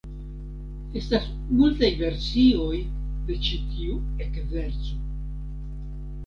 Estas multaj versioj de ĉi tiu ekzerco.